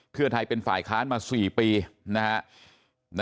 เพื่อไทยเป็นฝ่ายค้านมา๔ปีนะฮะ